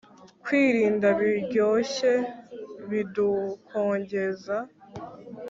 kwirinda biryoshye bidukongeza